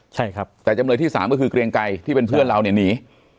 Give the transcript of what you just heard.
ใช่ครับแต่จำเลยที่สามก็คือเกรียงไกรที่เป็นเพื่อนเราเนี่ยหนี